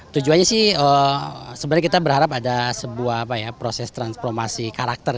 tujuannya sih sebenarnya kita berharap ada sebuah proses transformasi karakter